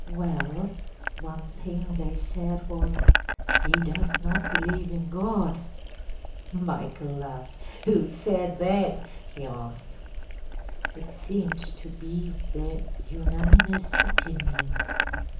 ‚ÄĚ “Well, one thing they said was, ‚ÄėHe does not believe in God.‚Äô‚ÄĚ Michael laughed. “Who said that?‚ÄĚ he asked. “It seemed to be their unanimous opinion.